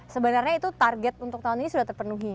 sebenarnya itu target untuk tahun ini sudah terpenuhi